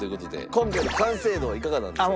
今回完成度はいかがだったでしょう？